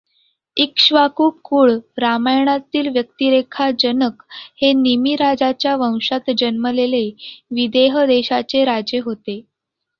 इक्ष्वाकु कुळ रामायणातील व्यक्तिरेखाजनक हे निमि राजाच्या वंशात जन्मलेले विदेह देशाचे राजे होते.